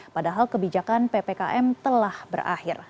padahal kebijakan ppkm telah berakhir